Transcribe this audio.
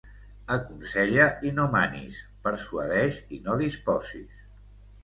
Aconsella i no manis, persuadeix i no disposis.